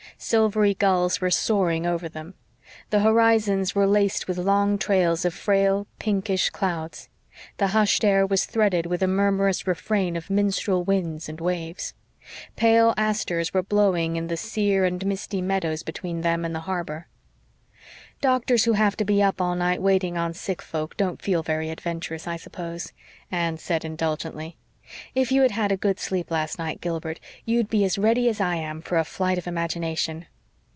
Silvery gulls were soaring over them. The horizons were laced with long trails of frail, pinkish clouds. The hushed air was threaded with a murmurous refrain of minstrel winds and waves. Pale asters were blowing in the sere and misty meadows between them and the harbor. "Doctors who have to be up all night waiting on sick folk don't feel very adventurous, I suppose," Anne said indulgently. "If you had had a good sleep last night, Gilbert, you'd be as ready as I am for a flight of imagination."